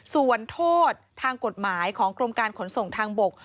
ส่วนโทษทางกฎหมายของกรมการขนส่งทางบก